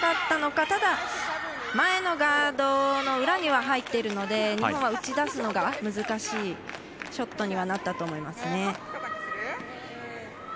ただ、前のガードの裏には入っているので日本は打ち出すのが難しいショットにはなったと思います。